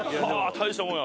大したもんやな。